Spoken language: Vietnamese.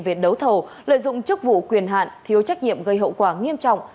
về đấu thầu lợi dụng chức vụ quyền hạn thiếu trách nhiệm gây hậu quả nghiêm trọng